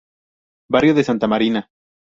Barrio de Santa Marina